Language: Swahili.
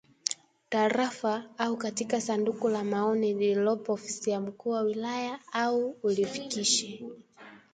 tarafa au katika sanduku la maoni lililopo ofisi ya Mkuu wa Wilaya au ulifikishe